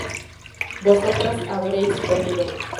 vosotras habréis comido